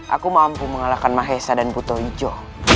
aku mampu mengalahkan mahesa dan buto hijau